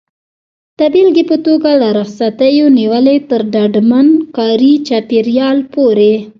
د بېلګې په توګه له رخصتیو نیولې تر ډاډمن کاري چاپېریال پورې.